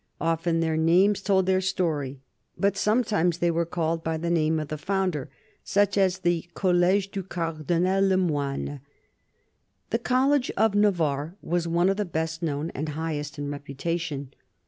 Often their names told their story ; but sometimes they were called by the name of the founder, such as the " College du Cardinal Lemoine." The College of Navarre was one of the best known and highest in reputation.